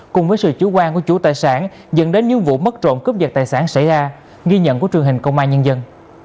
cùng với sự chủ quan của chủ tài sản dẫn đến những vụ mất trộm cướp giật tài sản xảy ra ghi nhận của truyền hình công an nhân dân